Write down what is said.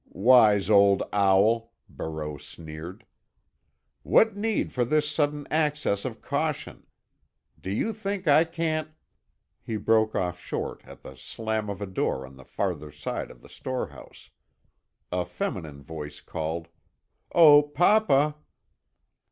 "Wise old owl!" Barreau sneered. "What need for this sudden access of caution? Do you think I can't——" He broke off short at the slam of a door on the farther side of the storehouse. A feminine voice called, "Oh, papa!"